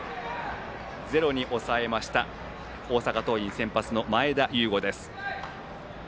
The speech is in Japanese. ゼロに抑えました、大阪桐蔭先発の前田悠伍です。